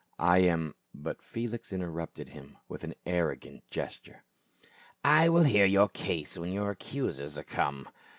" I am—" But Felix interrupted him with an arrogant gesture. " I will hear your case when your accusers are come.